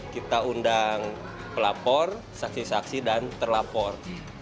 kita undang pelapor saksi saksi dan terlapor